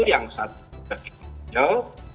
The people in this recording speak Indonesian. dan itu yang